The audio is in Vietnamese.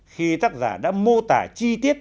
khi tác giả đã mô tả chi tiết